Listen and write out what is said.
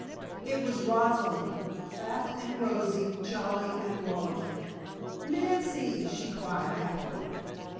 It was Rosalind! Fat and rosy, jolly and rollicking. "Nancy!" she cried happily.